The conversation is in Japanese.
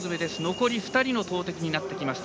残り２人の投てきになってきました。